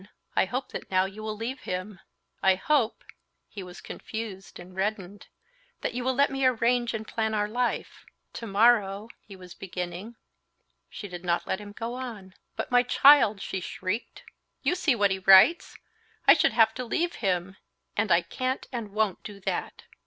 I hope that now you will leave him. I hope"—he was confused, and reddened—"that you will let me arrange and plan our life. Tomorrow...." he was beginning. She did not let him go on. "But my child!" she shrieked. "You see what he writes! I should have to leave him, and I can't and won't do that."